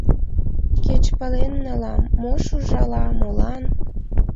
Кеч пален налам: мош ужала, молан?